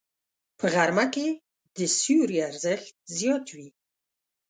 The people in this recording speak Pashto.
په غرمه کې د سیوري ارزښت زیات وي